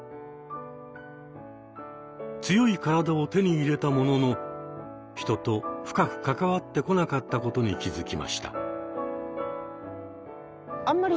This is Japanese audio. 強い体を手に入れたものの人と深く関わってこなかったことに気づきました。